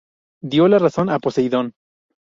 Dio la razón a Poseidón.